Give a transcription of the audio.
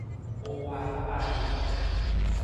โอวาทปาติโมกข์